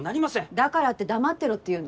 だからって黙ってろって言うの？